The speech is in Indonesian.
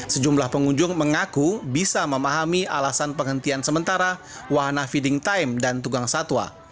sejumlah pengunjung mengaku bisa memahami alasan penghentian sementara wahana feeding time dan tugang satwa